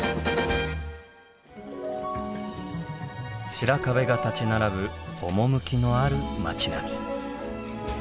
白壁が立ち並ぶ趣のある町並み。